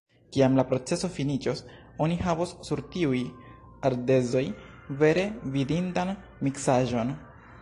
Kiam la proceso finiĝos, oni havos sur tiuj ardezoj vere vidindan miksaĵon!